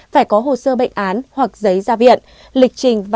phải có hồ sơ bệnh án hoặc giấy ra viện